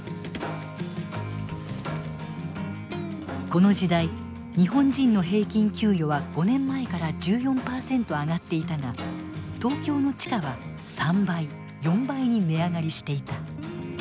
この時代日本人の平均給与は５年前から１４％上がっていたが東京の地価は３倍４倍に値上がりしていた。